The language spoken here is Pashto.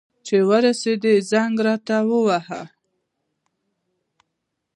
چي ورسېدې، زنګ راته ووهه.